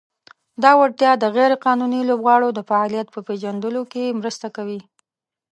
دا وړتیا د "غیر قانوني لوبغاړو د فعالیت" په پېژندلو کې مرسته کوي.